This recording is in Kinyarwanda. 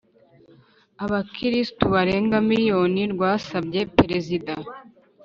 Abakirisitu barenga miliyoni rwasabye Perezida